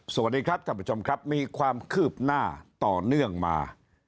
สวัสดีครับท่านผู้ชมครับมีความคืบหน้าต่อเนื่องมา